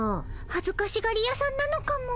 はずかしがり屋さんなのかも。